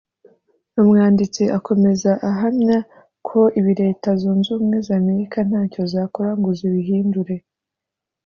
…Umwanditsi akomeza ahamya ko ibi Leta Zunze Ubumwe za Amerika ntacyo zakora ngo zibihindure